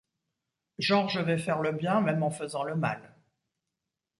Genre je vais faire le bien même en faisant le mal.